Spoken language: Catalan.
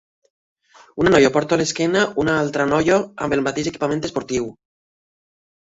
Una noia porta a l'esquena una altra noia amb el mateix equipament esportiu.